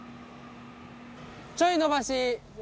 ちょい伸ばし。